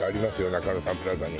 中野サンプラザに。